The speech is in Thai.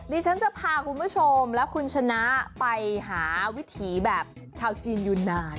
ดิฉันจะพาคุณผู้ชมและคุณชนะไปหาวิถีแบบชาวจีนอยู่นาน